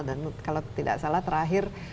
dan kalau tidak salah terakhir